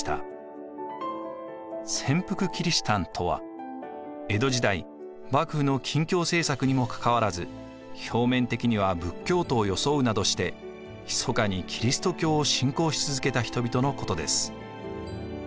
潜伏キリシタンとは江戸時代幕府の禁教政策にも関わらず表面的には仏教徒を装うなどしてひそかにキリスト教を信仰し続けた人々のことです。